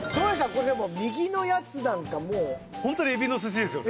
これでも右のやつなんかもうホントにエビの寿司ですよね